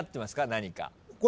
何か。